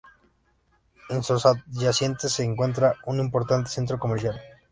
En sus adyacencias se encuentra un importante centro comercial.